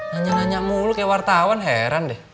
nanya nanya mulu kayak wartawan heran deh